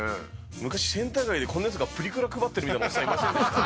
昔、センター街でこんなやつがプリクラ配ってるやついましたよね。